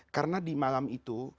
karena di malam itu